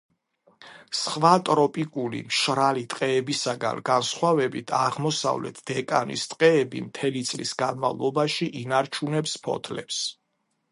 სხვა ტროპიკული მშრალი ტყეებისაგან განსხვავებით, აღმოსავლეთ დეკანის ტყეები მთელი წლის განმავლობაში ინარჩუნებს ფოთლებს.